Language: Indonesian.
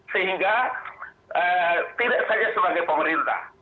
sehingga tidak saja sebagai pemerintah